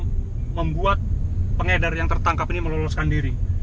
kemudian berusaha membuat pengedar yang tertangkap ini meloloskan diri